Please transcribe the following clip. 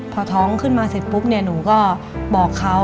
พอท้องขึ้นมาเสร็จปุ๊บเนี่ยหนูก็บอกเขา